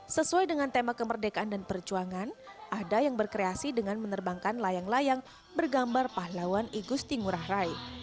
sesuai dengan tema kemerdekaan dan perjuangan ada yang berkreasi dengan menerbangkan layang layang bergambar pahlawan igusti ngurah rai